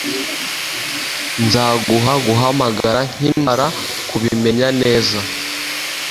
Nzaguha guhamagara nkimara kubimenya neza.